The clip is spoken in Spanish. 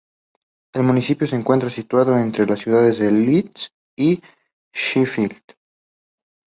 El municipio se encuentra situado entre las ciudades de Leeds y Sheffield.